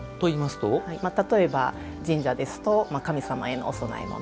例えば神社ですと神様へのお供え物。